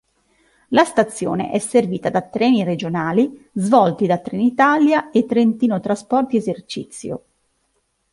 La stazione è servita da treni regionali svolti da Trenitalia e Trentino Trasporti Esercizio.